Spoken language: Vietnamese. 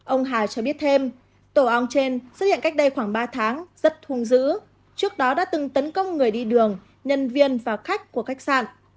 ông hà cho biết thêm tổ ong trên xuất hiện cách đây khoảng ba tháng rất hung dữ trước đó đã từng tấn công người đi đường nhân viên và khách của khách sạn